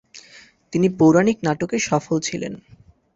তিনি পৌরানিক নাটকে সফল ছিলেন।